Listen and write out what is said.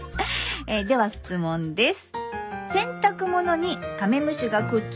えでは質問です。